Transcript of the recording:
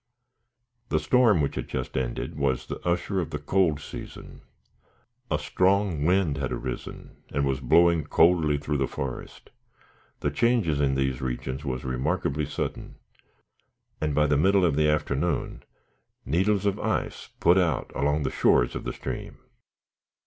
The storm which had just ended was the usher of the cold season. A strong wind had arisen, and was blowing coldly through the forest. The changes in these regions are remarkably sudden; and by the middle of the afternoon, needles of ice put out along the shores of the stream.